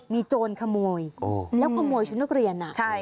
มีโจรขโมยแล้วขโมยชุดนักเรียน